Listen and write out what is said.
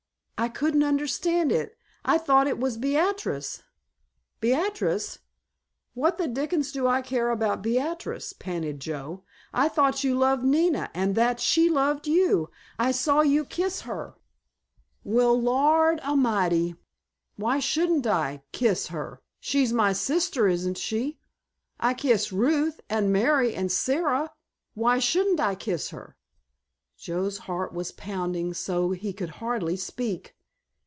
I couldn't understand it. I thought it was Beatrice——" "Beatrice? What the dickens do I care about Beatrice!" panted Joe. "I thought you loved Nina—and that she loved you. I saw you kiss her——" "Well, Lord A'mighty, why shouldn't I kiss her? She's my sister, isn't she? I kiss Ruth and Mary and Sara; why shouldn't I kiss her?" Joe's heart was pounding so he could hardly speak.